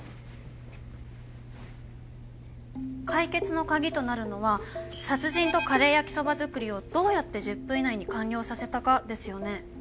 解決の鍵となるのは殺人とカレー焼きそば作りをどうやって１０分以内に完了させたかですよね？